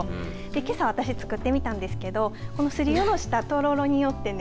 けさ私、作ってみたんですけどこの、すりおろしたとろろによってね